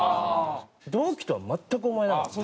同期とは全く思えなかった。